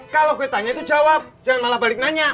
kalau gue tanya itu jawab jangan malah balik nanya